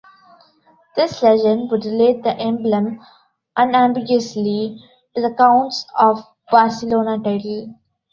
This legend would relate the emblem unambiguosly to the Counts of Barcelona title.